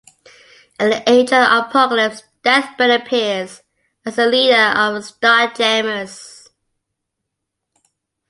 In the Age of Apocalypse, Deathbird appears as the leader of the Starjammers.